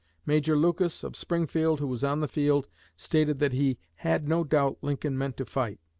Major Lucas, of Springfield, who was on the field, stated that he "had no doubt Lincoln meant to fight.